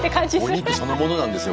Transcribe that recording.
お肉そのものなんですよ